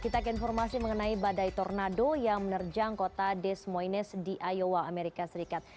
kita ke informasi mengenai badai tornado yang menerjang kota desmoines di iowa amerika serikat